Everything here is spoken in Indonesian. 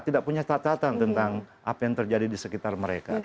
tidak punya catatan tentang apa yang terjadi di sekitar mereka